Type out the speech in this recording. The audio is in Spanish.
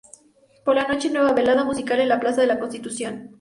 Por la noche, nueva velada musical en la plaza de la Constitución.